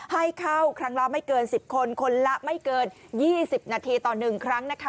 ให้เข้าครั้งละไม่เกิน๑๐คนคนละไม่เกิน๒๐นาทีต่อ๑ครั้งนะคะ